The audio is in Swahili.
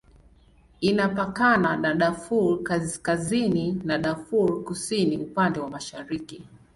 Inapakana na Darfur Kaskazini na Darfur Kusini upande wa mashariki.